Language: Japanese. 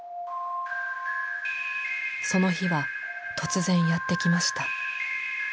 その日は突然やってきました。